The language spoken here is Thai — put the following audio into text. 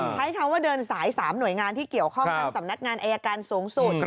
ใช้คำว่าเดินสาย๓หน่วยงานที่เกี่ยวข้องทั้งสำนักงานอายการสูงสุด